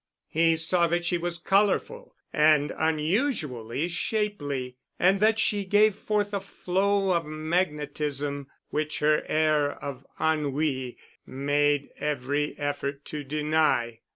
He saw that she was colorful and unusually shapely, and that she gave forth a flow of magnetism which her air of ennui made every effort to deny.